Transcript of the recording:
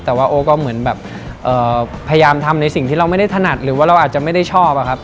แต่ว่าโอ้ก็เหมือนแบบพยายามทำในสิ่งที่เราไม่ได้ถนัดหรือว่าเราอาจจะไม่ได้ชอบอะครับ